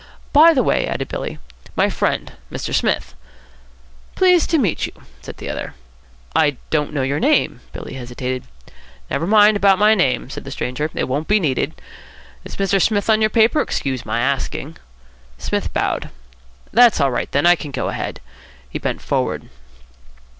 "By the way," added Billy; "my friend, Mr. Smith." "Pleased to meet you," said the other. "I don't know your name," Billy hesitated. "Never mind about my name," said the stranger. "It won't be needed. Is Mr. Smith on your paper? Excuse my asking." Psmith bowed. "That's all right, then. I can go ahead." He bent forward.